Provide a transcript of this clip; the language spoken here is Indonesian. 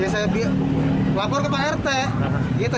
saya lapor ke pak rt